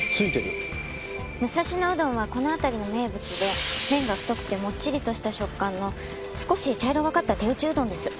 武蔵野うどんはこの辺りの名物で麺が太くてもっちりとした食感の少し茶色がかった手打ちうどんです。